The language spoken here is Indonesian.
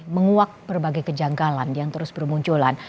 menguak berbagai kejanggalan yang terus bermunculan